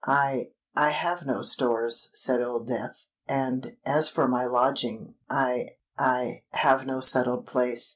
"I—I have no stores," said Old Death; "and, as for my lodging—I—I have no settled place.